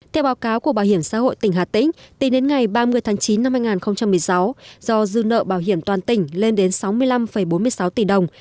theo báo cáo của bảo hiểm xã hội tỉnh hà tĩnh tính đến ngày ba mươi tháng chín năm hai nghìn một mươi sáu do dư nợ bảo hiểm toàn tỉnh lên đến sáu mươi năm bốn mươi sáu tỷ đồng